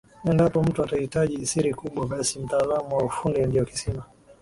Endapo mtu atahitaji siri kubwa basi mtaalamu wa ufundi ndio kisima